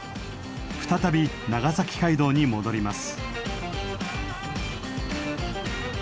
再び長崎街道に戻ります。